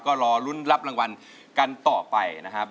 ก็รอลุ้นรับรางวัลกันต่อไปนะครับ